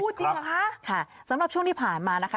จริงเหรอคะค่ะสำหรับช่วงที่ผ่านมานะคะ